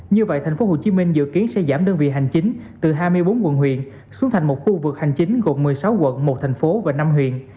như vậy thành phố hồ chí minh dự kiến sẽ giảm đơn vị hành chính từ hai mươi bốn quận huyện xuống thành một khu vực hành chính gồm một mươi sáu quận một thành phố và năm huyện